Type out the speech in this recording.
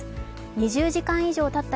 ２０時間以上たった